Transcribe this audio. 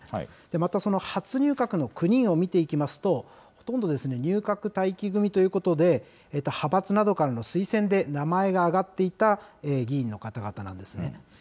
また初入閣の９人を見ていきますと、ほとんど入閣待機組ということで、派閥などからの推薦で名前が挙がっていた議員の方々なんですね。